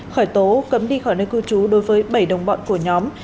khởi tố cấm đi khỏi nơi cư trú đối với bảy đồng bọn của nhóm